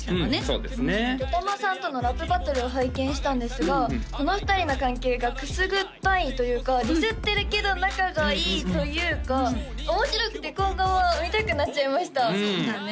そうですねＤＯＴＡＭＡさんとのラップバトルを拝見したんですがこの２人の関係がくすぐったいというかディスってるけど仲がいいというか面白くて今後も見たくなっちゃいましたそうだね＃